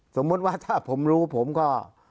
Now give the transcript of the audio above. สมมุติว่าถ้าผมรู้ผมก็